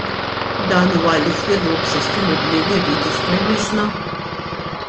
Dan huwa l-iżvilupp sostenibbli li rridu f'pajjiżna?